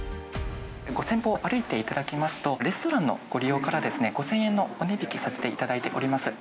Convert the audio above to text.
５０００歩、歩いていただきますと、レストランのご利用からですね、５０００円のお値引きさせていただいております。